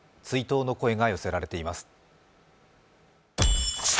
追悼の声が寄せられています。